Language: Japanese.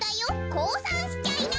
こうさんしちゃいな。